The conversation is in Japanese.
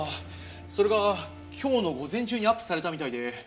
それが今日の午前中にアップされたみたいで。